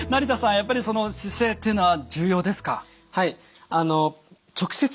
やっぱりその姿勢っていうのは重要ですか？